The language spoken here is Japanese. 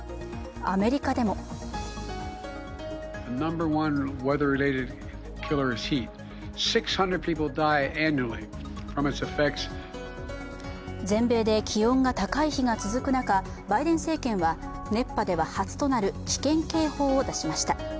アメリカでも全米で気温が高い日が続く中、バイデン政権は、熱波では初となる危険警報を出しました。